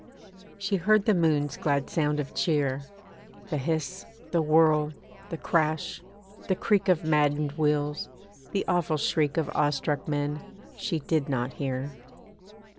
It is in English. She heard the moon's glad sound of cheer; (The hiss, the whirl, the crash, the creak, Of maddened wheels, the awful shriek Of awestruck men she did not hear.)